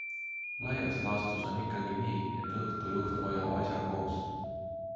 Laias laastus on ikkagi nii, et õhtujuht hoiab asja koos.